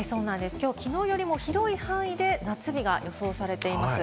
今日は昨日よりも広い範囲で夏日が予想されています。